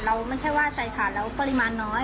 ไม่ใช่ว่าใส่ขาดแล้วปริมาณน้อย